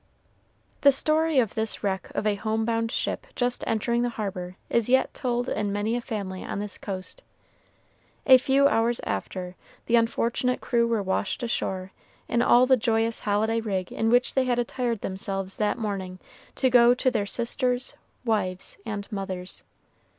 The story of this wreck of a home bound ship just entering the harbor is yet told in many a family on this coast. A few hours after, the unfortunate crew were washed ashore in all the joyous holiday rig in which they had attired themselves that morning to go to their sisters, wives, and mothers.